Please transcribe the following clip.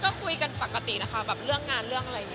ก็คุยกันปกตินะคะเรื่องงานเรื่องอะไร